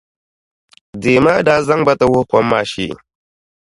Dee maa daa zaŋ ba ti wuhi kom maa shee.